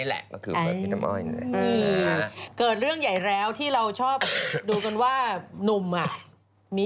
นี่เกิดเรื่องใหญ่แล้วที่เราชอบดูกันว่านุ่ม